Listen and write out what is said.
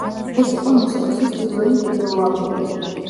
ეს იყო მუსიკოსის პირველი ვიდეო ალბომი.